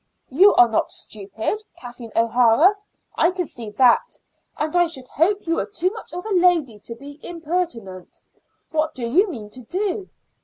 "You are not stupid, Kathleen O'Hara I can see that and I should hope you were too much of a lady to be impertinent. What do you mean to do?"